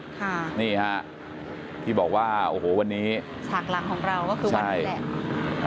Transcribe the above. ค่ะนี่ฮะที่บอกว่าโอ้โหวันนี้ฉากหลังของเราก็คือวันนี้แหละ